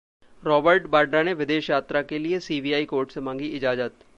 Robert Vadra ने विदेश यात्रा के लिए सीबीआई कोर्ट से मांगी इजाजत